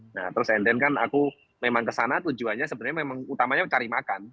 nah terus adrian kan aku memang ke sana tujuannya sebenarnya memang utamanya cari makan